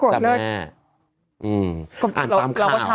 แต่แม่